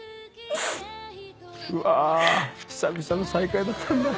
うわ久々の再会だったんだ。